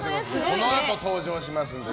このあと登場しますので。